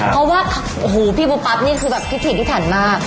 เพราะว่าพี่ฟูปั๊บพิธีที่ถัดมาก